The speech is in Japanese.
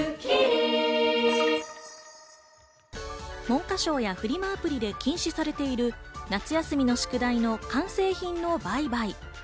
文科省やフリマアプリで禁止されている夏休みの宿題の完成品の売買。